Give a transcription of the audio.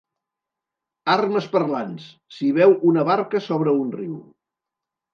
Armes parlants: s'hi veu una barca sobre un riu.